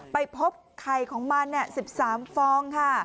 ไปพบไข่ของมัน๑๓ฟองค่ะ